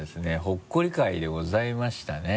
ほっこり回でございましたね。